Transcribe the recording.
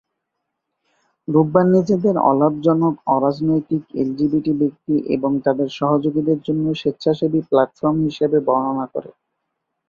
রূপবান নিজেদের "অলাভজনক, অ-রাজনৈতিক, এলজিবিটি ব্যক্তি এবং তাদের সহযোগীদের জন্য স্বেচ্ছাসেবী প্ল্যাটফর্ম" হিসাবে বর্ণনা করে।